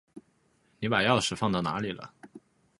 你把钥匙放到哪里了？